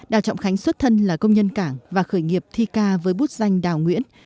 đào trọng khánh xuất thân là công nhân cảng và khởi nghiệp thi ca với bút danh đào nguyễn